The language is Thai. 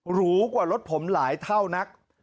หรูกว่ารถผมหลายเท่านัก